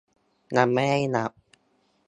ยังไม่ได้รับ